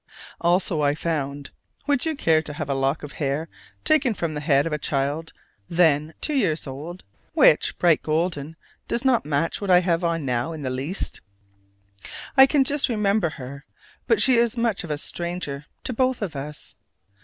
Also I found: would you care to have a lock of hair taken from the head of a child then two years old, which, bright golden, does not match what I have on now in the least? I can just remember her: but she is much of a stranger to both of us.